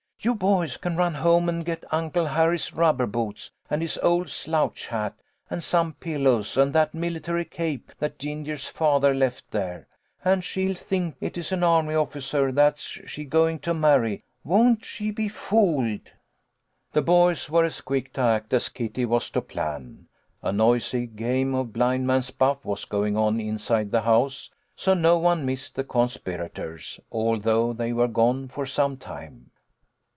" You boys can run home and get Uncle Harry's rubber boots, and his old slouch hat, and some pillows, and that military cape that Ginger's father left there, .and she'll think it is an army officer that's she's going to marry. Won't she be fooled ?" The boys were as quick to act as Kitty was to plan. A noisy game of blind man's buff was going on inside the house, so no one missed the conspira tors, although they were gone for some time.